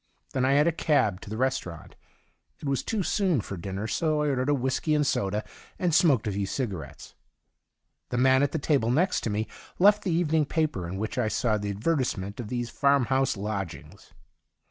Then I had a cab to the restaurant. It was too soon for dinner, so I ordered a whisky and soda, and smoked a few cigarettes. The man at the table next me left the evening paper in which I saw the advertisement of these farm house lodgings.